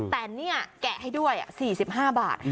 แต่นี่แกะให้ด้วย๔๕บาท